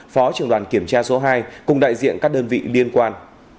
phó trưởng đoàn kiểm tra số hai cùng đại diện các đơn vị liên quan